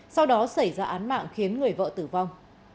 sau đó xảy ra án mạng khiến người vợ tử vong